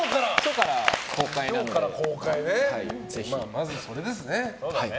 まずはそれですね。